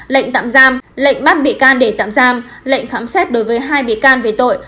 lệnh tạm giam lệnh bắt bị can để tạm giam lệnh khám xét đối với hai bị can về tội